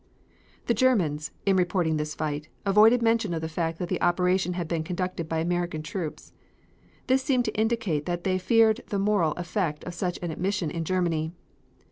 The Germans, in reporting this fight, avoided mention of the fact that the operation had been conducted by American troops. This seemed to indicate that they feared the moral effect of such an admission in Germany.